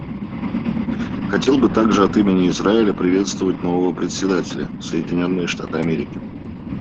Хотел бы также от имени Израиля приветствовать нового Председателя — Соединенные Штаты Америки.